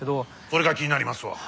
それが気になりますわ。